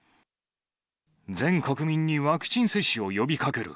全国民にワクチン接種を呼びかける。